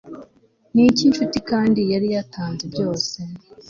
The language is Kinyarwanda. Niki nshuti Kandi yari yatanze byose